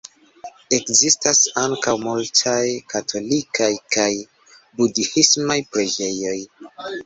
Ekzistas ankaŭ multaj katolikaj kaj budhismaj preĝejoj.